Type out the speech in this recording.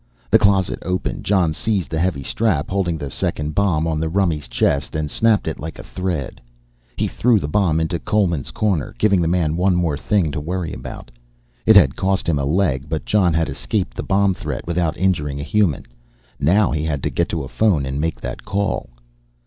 The closet open, Jon seized the heavy strap holding the second bomb on the rummy's chest and snapped it like a thread. He threw the bomb into Coleman's corner, giving the man one more thing to worry about. It had cost him a leg, but Jon had escaped the bomb threat without injuring a human. Now he had to get to a phone and make that call.